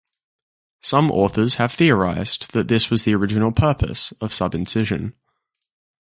Some authors have theorized that this was the original purpose of subincision.